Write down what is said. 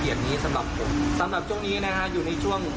อย่างนี้สำหรับผมสำหรับช่วงนี้นะฮะอยู่ในช่วง